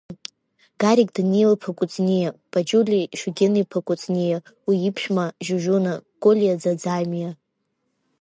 Гарик Данел-иԥа Кәыҵниа, Паҷули Шугьен-иԥа Кәыҵниа, уи иԥшәма Жьужьуна, Колиа Ӡаӡамиа.